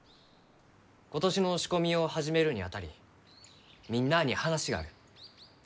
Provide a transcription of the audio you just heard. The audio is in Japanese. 今年の仕込みを始めるにあたりみんなあに話がある。